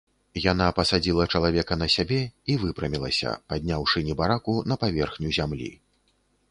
Яна пасадзіла чалавека на сябе і выпрамілася, падняўшы небараку на паверхню зямлі.